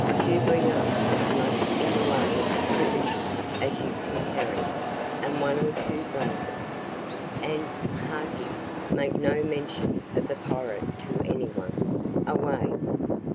Do you bring up as much in the way of provisions as you can carry, and one or two blankets. And, harkee, make no mention of the pirate to any one. Away!"